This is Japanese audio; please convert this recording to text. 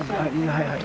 はいはい。